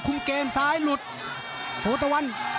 ภูตวรรณสิทธิ์บุญมีน้ำเงิน